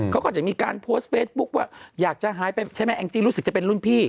เขาก็จะมีการโพสต์เฟซบุ๊คว่าอยากจะหายไปใช่ไหมแองจี้รู้สึกจะเป็นรุ่นพี่